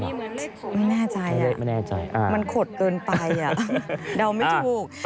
ไม่แน่ใจอ่ะมันขดเกินไปอ่ะเดาไม่ถูก